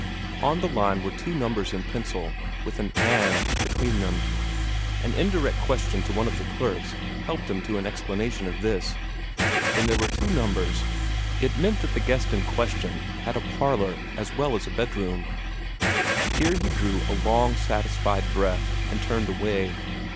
On the line were two numbers in pencil, with an "and" between them. An indirect question to one of the clerks helped him to an explanation of this. When there were two numbers, it meant that the guest in question had a parlor as well as a bedroom. Here he drew a long, satisfied breath, and turned away.